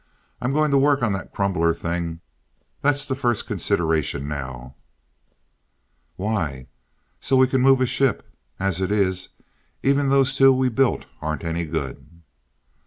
I'm going to work on that crumbler thing. That's the first consideration now." "Why?" "So we can move a ship. As it is, even those two we built aren't any good."